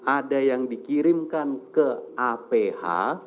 ada yang dikirimkan ke aph